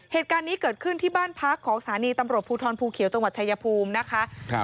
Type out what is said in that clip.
เหตุการณ์นี้เกิดขึ้นที่บ้านพักของสถานีตำรวจภูทรภูเขียวจังหวัดชายภูมินะคะ